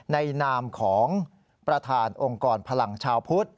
นามของประธานองค์กรพลังชาวพุทธ